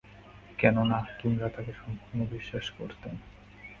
কেননা, হাকিমরা তাঁকে সম্পূর্ণ বিশ্বাস করতেন।